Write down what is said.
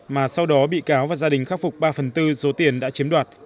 mà sau đó bị cáo và gia đình khắc phục ba phần tư số tiền đã chiếm đoạt